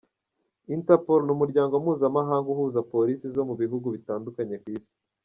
Interpol ni Umuryango mpuzamahanga uhuza Polisi zo mu bihugu bitandukanye ku isi.